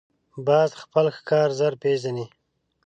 باز خپل ښکار ژر پېژني